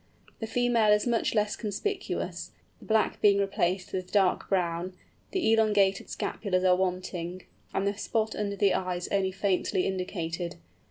The female is much less conspicuous, the black being replaced by dark brown, the elongated scapulars are wanting, and the spot under the eyes only faintly indicated.